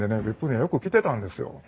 別府にはよく来てたんですよ。